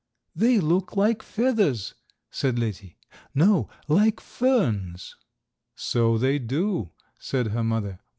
"They look like feathers," said Letty; "no, like ferns." "So they do," said her mother.